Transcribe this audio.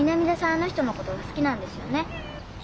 あの人のことが好きなんですよね？